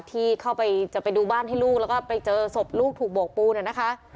ที่เข้าไปจะไปดูบ้านให้ลูกแล้วก็ไปเจอศพลูกถูกโบกปูนนะคะ